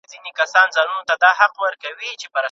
ایا مطالعه ستا پر ژوند اغېز کړی؟